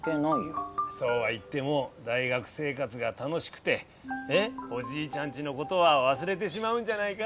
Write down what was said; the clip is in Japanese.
そうは言っても大学生活が楽しくておじいちゃんちのことは忘れてしまうんじゃないか？